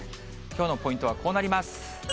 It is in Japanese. きょうのポイントはこうなります。